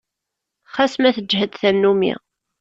Xas ma teǧǧhed tannumi.